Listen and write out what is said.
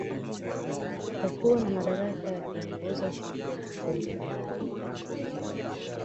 Atakuwa na madaraka ya kuongoza shughuli za serikali Bungeni